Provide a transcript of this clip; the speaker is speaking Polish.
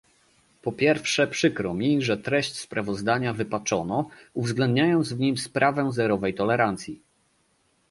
Po pierwsze przykro mi, że treść sprawozdania wypaczono, uwzględniając w nim sprawę zerowej tolerancji